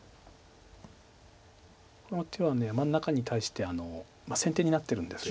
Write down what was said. この手は真ん中に対して先手になってるんです。